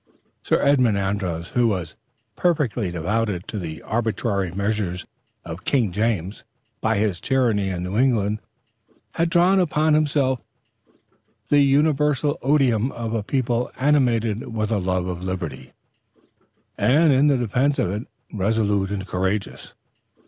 Sir Edmond Andros, who was perfectly devoted to the arbitrary measures of King James, by his tyranny in New England had drawn upon himself the universal odium of a people animated with a love of liberty, and in the defense of it resolute and courageous.